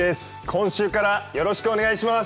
今週からよろしくお願いします！